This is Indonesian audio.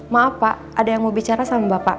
maaf pak ada yang mau bicara sama bapak